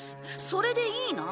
それでいいな？